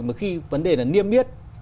mà khi vấn đề là niêm biết